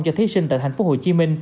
cho thí sinh tại tp hcm